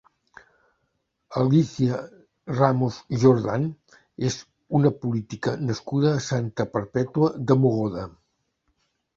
Alicia Ramos Jordán és una política nascuda a Santa Perpètua de Mogoda.